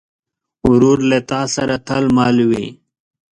ورور له تا سره تل مل وي.